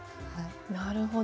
なるほど。